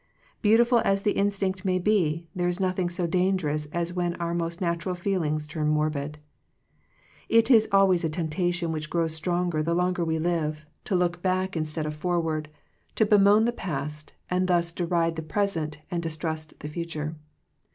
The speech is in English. Beautiful as the instinct may be, there is nothing so dangerous as when our most natural feeling turns morbid. It is always a temptation, which grows stronger the longer we live, to look back 114 Digitized by VjOOQIC THE ECLIPSE OF FRIENDSHIP instead of forward, to bemoan the past and thus deride the present and distrust the future.